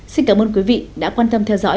xin cảm ơn quý vị đã quan tâm theo dõi